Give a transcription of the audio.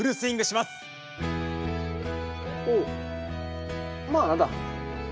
おうまあ何だ。